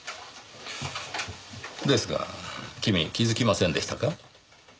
ですが君気づきませんでしたか？